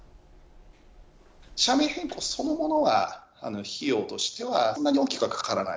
社名変更そのものは費用としてはそんなに大きくはかからない。